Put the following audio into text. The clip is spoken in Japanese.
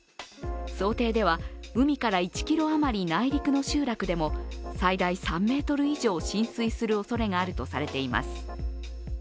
想定では海から１ｋｍ余り内陸の集落でも最大３ｍ以上浸水するおそれがあるとされています。